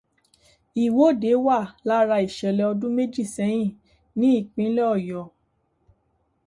Ìwọ́de wà lára ìṣẹ̀lẹ̀ ọdún méjì sẹ́yìn ní ìpínlẹ̀ Ọyọ́.